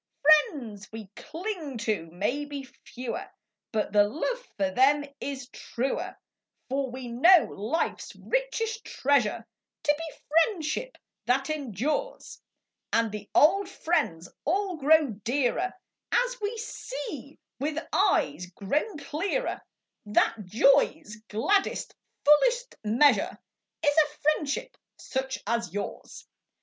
Is a F riends xv)e clinq to mau be fe^Oer, But the loOe jor them is truer; fbr \Oe know life s richest treasure To be friendship that em dures, And the old jriends all qroxO dearer & As vOe see \oith eues qro\On clearer That joq's gladdest, fullest measure ' Is a friendship such as Ljours.